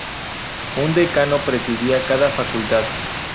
Un decano presidía cada facultad.